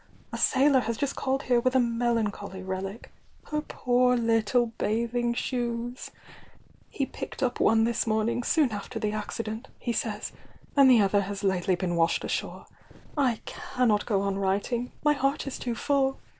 A sailor has just called here with a melancholy relio— her poor little bathing shoes! He picked up one tois mommg, soon after the accident, he says, and the other has lately been washed ashore. I cannot go on writing,— my heart is too full